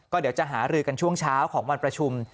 เดี๋ยวจะหารือกันช่วงเช้าของวันประชุม